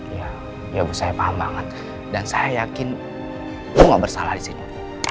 ya saya paham banget dan saya yakin lo nggak bersalah di sini